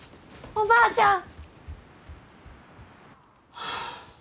・おばあちゃん！